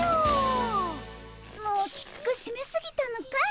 もうきつくしめすぎたのかい？